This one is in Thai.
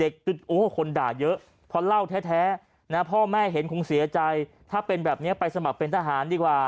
คนด่าเยอะพอเล่าแท้พ่อแม่เห็นคงเสียใจถ้าเป็นแบบนี้ไปสมัครเป็นทหารดีกว่า